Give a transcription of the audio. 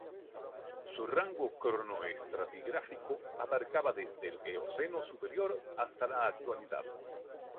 Su rango cronoestratigráfico abarcaba desde el Eoceno superior hasta la Actualidad.